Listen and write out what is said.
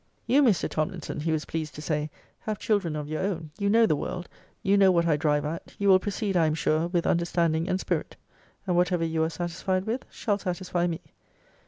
"You, Mr. Tomlinson, he was pleased to say, have children of your own: you know the world: you know what I drive at: you will proceed, I am sure, with understanding and spirit: and whatever you are satisfied with shall satisfy me."'